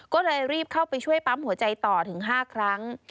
ก็เลยรีบเข้าไปช่วยปั๊มหัวใจต่อถึง๕ครั้ง